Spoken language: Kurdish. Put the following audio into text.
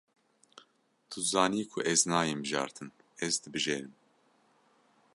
Tu dizanî ku ez nayêm bijartin, ez dibijêrim.